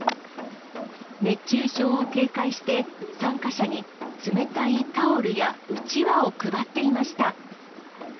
熱中症を警戒して、参加者に冷たいタオルやうちわを配っていました。